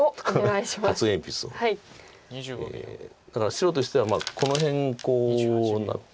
白としてはこの辺こうなって。